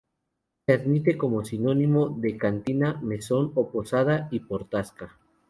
Se admite como sinónimo de cantina, mesón o posada, y por tasca.